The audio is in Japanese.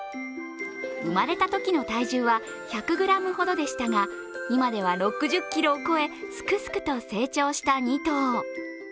生まれたときの体重は１００ｇほどでしたが、今では６０ｋｇを超え、すくすくと成長した２頭。